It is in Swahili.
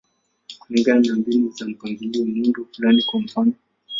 Kulingana na mbinu za mpangilio, muundo fulani, kwa mfano.